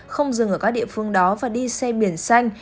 không dừng ở các địa phương đó và đi xe biển xanh